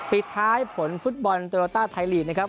ปิดท้ายผลฟุตบอลโตโลต้าไทยลีกนะครับ